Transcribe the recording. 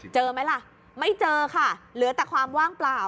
ไหมล่ะไม่เจอค่ะเหลือแต่ความว่างเปล่า